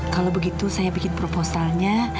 kalau begitu saya bikin proposalnya